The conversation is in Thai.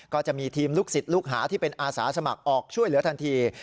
ก็จะมีทีมลูกศิษย์ลูกหาที่เป็นอาสาสมัครออกช่วยเหลือทันที